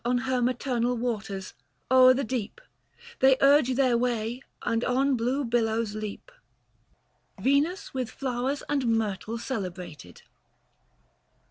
On her maternal waters — o'er the deep They urge their way and on blue billows leap. 145 KAL. APE. VENUS WITH FLOWEES AND MYRTLE CELEBEATED.